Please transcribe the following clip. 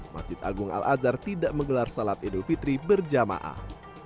masjid agung al azhar tidak menggelar salat idul fitri berjamaah